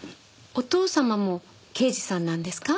お父様も刑事さんなんですか？